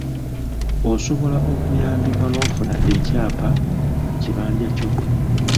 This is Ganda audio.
Osobola okuyambibwa n'ofuna ekyapa ku kibanja kyo.